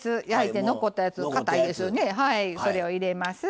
それを入れます。